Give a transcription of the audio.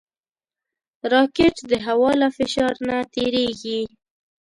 راکټ د هوا له فشار نه تېریږي